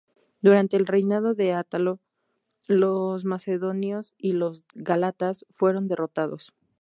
Durante el reinado de Átalo I, los macedonios y los gálatas fueron derrotados.